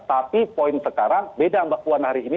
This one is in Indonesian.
tapi poin sekarang beda mbak puan hari ini